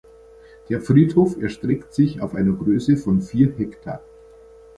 Der Friedhof erstreckt sich auf einer Größe von vier Hektar.